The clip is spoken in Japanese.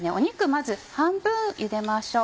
まず半分ゆでましょう。